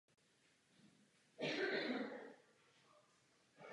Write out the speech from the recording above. Představí se Shelby a ta jí vytváří lepší Lady Gaga kostým pro její vystoupení.